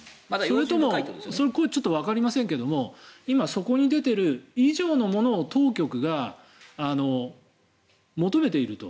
そこはちょっとわかりませんが今そこに出ている以上のものを当局が求めていると。